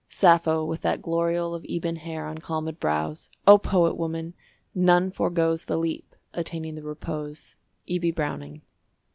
"SAPPHO, WITH THAT GLORIOLE OF EBON HAIR ON CALMÈD BROWS— O POET WOMAN! NONE FORGOES THE LEAP, ATTAINING THE REPOSE." E.B. BROWNING.